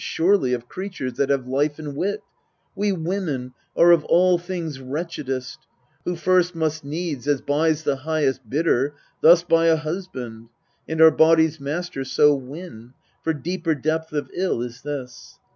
Surely, of creatures that have life and wit, We women are of all things wretchedest, Who, first, must needs, as buys the highest bidder, Thus buy a husband, and our body's master So win for deeper depth of ill is this.